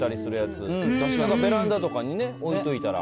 なんかベランダとかに置いといたら。